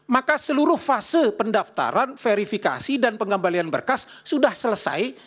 maka seluruh fase pendaftaran verifikasi dan pengembalian berkas sudah selesai